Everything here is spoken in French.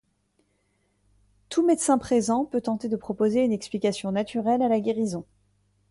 Tout médecin présent peut tenter de proposer une explication naturelle à la guérison.